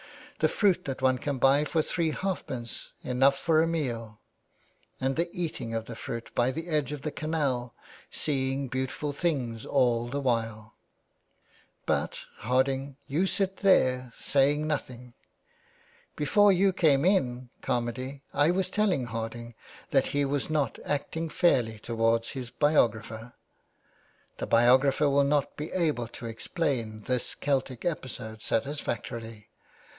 The fruit that one can buy for three halfpence, enough for a meal. And the eating of the fruit by the edge of the canal — seeing beautiful things all the while. But, Harding, you sit there saying nothing. Before you came in, Carmady, I was telling Harding 418 THE WAY BACK. that he was not acting fairly towards his biographer. The biographer will not be able to explain this Celtic episode satisfactorily.